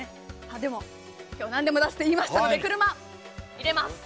でも何でも出すと言いましたので車を入れます。